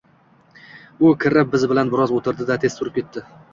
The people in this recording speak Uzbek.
U kirib, biz bilan biroz o’tirdi-da, tez turib ketdi.